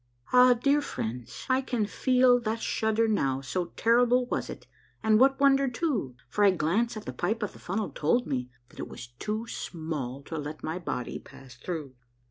Ah, dear friends, 1 can feel that shudder now, so terrible was it, and what wonder, too, for a glance at the pipe of the funnel told me that it was too small to let my body pass through.